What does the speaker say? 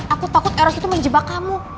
aku takut eros itu menjebak kamu